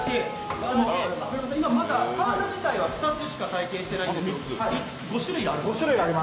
まだサウナ自体は２つしか体験していないんですけど５種類ある？